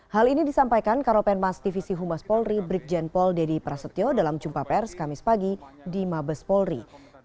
hal ini disampaikan karopenmas divisi humas polri brikjen pol dedy prasetyo dalam cumpaper skamis pagi di mabes polri